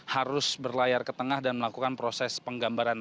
harus berlayar ke tengah dan melakukan proses penggambaran